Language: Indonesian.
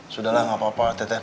sudahlah gapapa teh teh